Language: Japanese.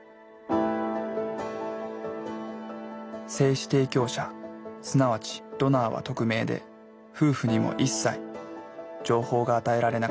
精子提供者すなわちドナーは匿名で夫婦にも一切情報が与えられなかった。